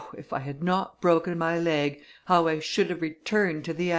if I had not broken my leg, how I should have returned to the action!"